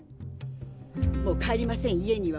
もう帰りません家には！